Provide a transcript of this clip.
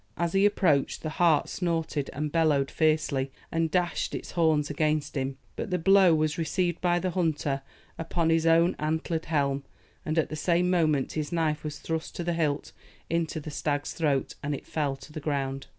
As he approached the hart snorted and bellowed fiercely, and dashed its horns against him; but the blow was received by the hunter upon his own antlered helm, and at the same moment his knife was thrust to the hilt into the stag's throat, and it fell to the ground.